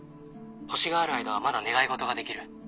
星がある間はまだ願いごとができる。